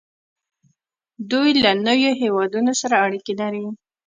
دوی له نورو هیوادونو سره اړیکې لري.